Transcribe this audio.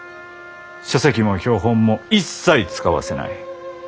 書籍も標本も一切使わせない。